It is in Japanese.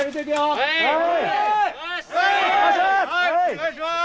お願いします！